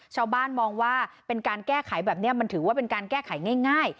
ชาวบ้านมองว่าเป็นการแก้ไขแบบนี้มันถือว่าเป็นการแก้ไขง่าย